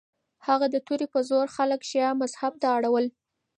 هغه د توري په زور خلک شیعه مذهب ته اړول.